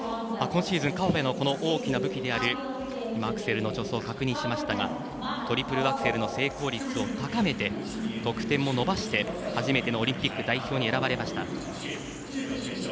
今シーズン、この河辺の大きな武器である今もアクセルの助走を確認していましたがトリプルアクセルの成功率を高めて得点も伸ばして初めてのオリンピック代表に選ばれました。